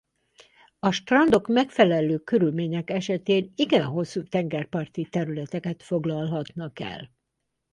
A strandok megfelelő körülmények esetén igen hosszú tengerparti területeket foglalhatnak el.